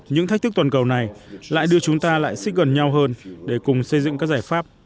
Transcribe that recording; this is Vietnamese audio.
những thách thức toàn cầu này lại đưa chúng ta lại xích gần nhau hơn để cùng xây dựng các giải pháp